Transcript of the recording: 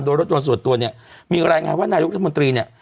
โดยรถยนต์ส่วนตัวเนี่ยมีรายงานว่านายกรัฐมนตรีเนี่ย